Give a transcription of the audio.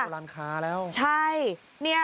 เห็นร้านค้าแล้ว